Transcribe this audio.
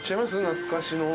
懐かしの。